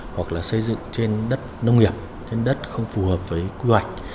hoặc là xây dựng trên đất nông nghiệp trên đất không phù hợp với quy hoạch